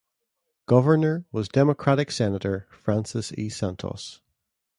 Governor was Democratic Senator Francis E. Santos.